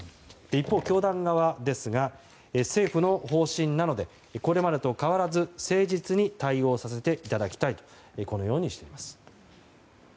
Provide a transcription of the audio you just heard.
一方、教団側ですが政府の方針なのでこれまでと変わらず誠実に対応させていただきたいとこのようにしています。